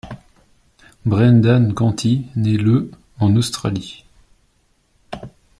Brendan Canty naît le en Australie.